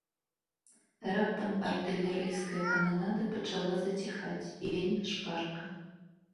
Раптам артылерыйская кананада пачала заціхаць, і вельмі шпарка.